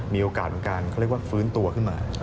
มีโอกาสของการเขาเรียกว่าฟื้นตัวขึ้นมา